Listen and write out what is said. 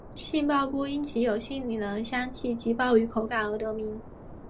杏鲍菇因其有杏仁香气及鲍鱼口感而得名。